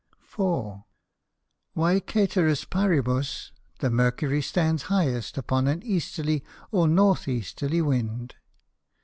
4. _Why cæteris paribus the Mercury stands highest upon an Easterly or North Easterly Wind?